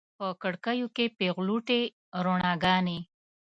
په کړکیو کې پیغلوټې روڼاګانې